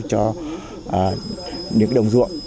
cho những động dụng